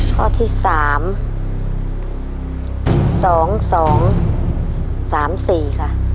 ข้อที่๓๒๒๓๔ค่ะ